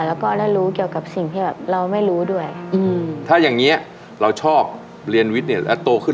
แล้วก็ได้รู้เกี่ยวกับสิ่งที่แบบเราไม่รู้ด้วยถ้าอย่างนี้เราชอบเรียนวิทย์เนี่ยแล้วโตขึ้น